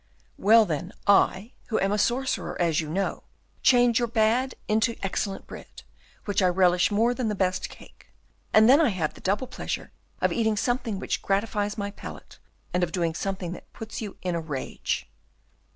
"Well, then, I, who am a sorcerer, as you know, change your bad into excellent bread, which I relish more than the best cake; and then I have the double pleasure of eating something that gratifies my palate, and of doing something that puts you in a rage."